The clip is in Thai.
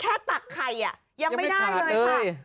แค่ตักไข่น่ะยังไม่ได้เลยค่ะ